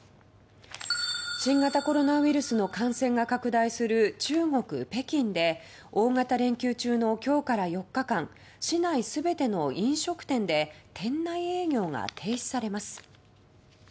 新型コロナウイルスの感染が拡大する中国・北京で大型連休中の今日から４日間市内全ての飲食店で店内営業が停止されます。